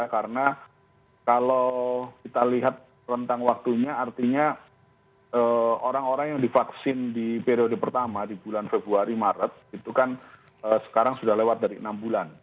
karena kalau kita lihat rentang waktunya artinya orang orang yang divaksin di periode pertama di bulan februari maret itu kan sekarang sudah lewat dari enam bulan